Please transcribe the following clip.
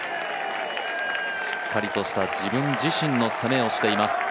しっかりとした自分自身の攻めをしています。